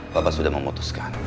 papa sudah memutuskan